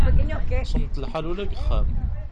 Semmeḍ lḥal ula deg uxxam.